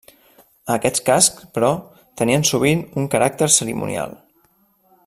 Aquests cascs, però, tenien sovint un caràcter cerimonial.